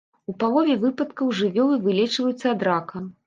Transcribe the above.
У палове выпадкаў жывёлы вылечваюцца ад рака.